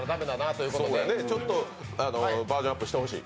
そうですね、ちょっとバージョンアップしてほしい。